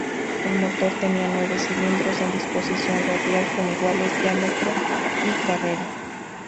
El motor tenía nueve cilindros en disposición radial, con iguales diámetro y carrera.